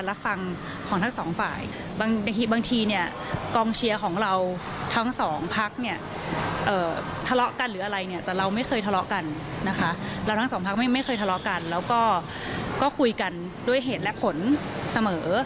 แล้วก็คุยกันด้วยเหตุและผลเสมอ